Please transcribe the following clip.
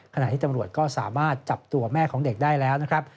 ขณะที่ตำรวจก็สามารถจับตัวแม่ของเด็กได้แล้วนะครับ